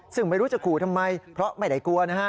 ซึ่งไม่รู้จะขู่ทำไมเพราะไม่ได้กลัวนะฮะ